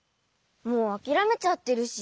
もうあきらめちゃってるし。